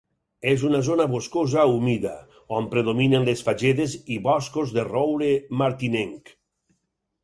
És una zona boscosa humida, on predominen les fagedes i boscos de roure martinenc.